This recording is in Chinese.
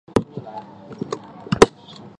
董宪与庞萌退守郯城。